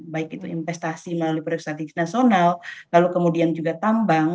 baik itu investasi melalui proyek strategis nasional lalu kemudian juga tambang